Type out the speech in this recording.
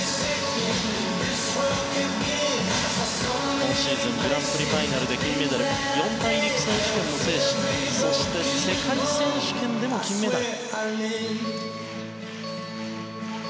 今シーズングランプリファイナルで金メダル四大陸選手権も制しそして、世界選手権でも金メダル。